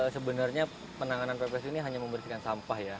sebenarnya penanganan ppsu ini hanya membersihkan sampah ya